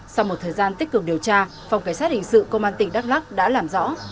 sau một thời gian tích cực điều tra phòng cảnh sát hình sự công an tỉnh đắk lắc đã làm rõ